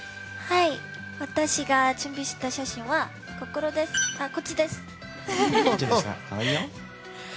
私が準備した写真はこっちです。